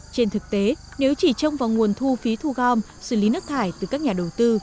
trên thực tế nếu chỉ trông vào nguồn thu phí thu gom xử lý nước thải từ các nhà đầu tư